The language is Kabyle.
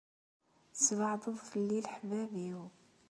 Tesbeɛdeḍ fell-i leḥbab-iw.